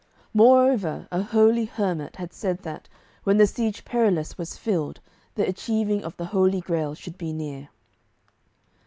Moreover a holy hermit had said that, when the Siege Perilous was filled, the achieving of the Holy Grail should be near.